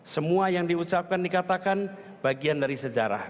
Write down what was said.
semua yang diucapkan dikatakan bagian dari sejarah